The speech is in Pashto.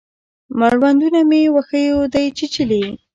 مړوندونه مې وښیو دی چیچلي